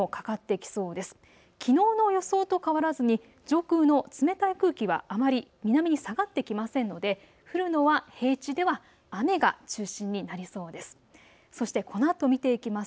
きのうの予想と変わらずに上空の冷たい空気はあまり南に下がってきませんので降るのは平地では雨が中心になりそうです。